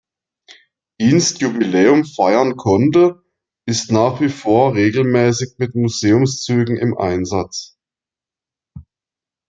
Dienstjubiläum feiern konnte, ist nach wie vor regelmässig mit Museumszügen im Einsatz.